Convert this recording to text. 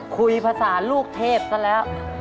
คุยภาษาลูกเทพซะแล้ว